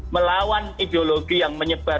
melawan ideologi yang menyebar